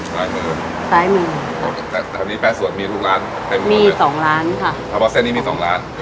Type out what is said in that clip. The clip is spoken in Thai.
ซ้ายมือซ้ายมือแปะสวนมีทุกร้านมีสองร้านค่ะเพราะว่าเส้นนี้มีสองร้าน